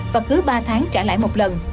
và cứ ba tháng trả lại một lần